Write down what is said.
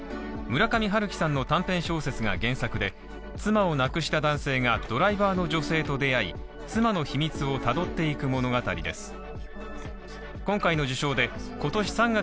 村上春樹さんの短編小説が原作で、妻を亡くした男性が、ドライバーの女性と出会い、妻の秘密をたどっていく物語です。